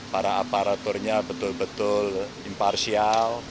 para aparaturnya betul betul imparsial